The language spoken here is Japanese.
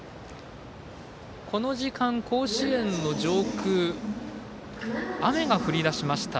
この時間、甲子園の上空雨が降りだしました。